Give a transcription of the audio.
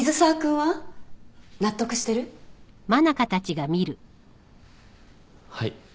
はい。